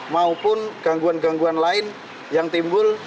maupun gangguan gangguan lain yang timbul